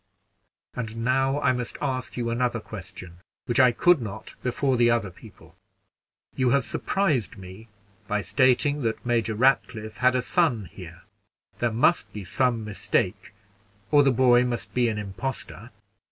And now I must ask you another question, which I could not before the other people. You have surprised me by stating that Major Ratcliffe had a son here; there must be some mistake, or the boy must be an impostor.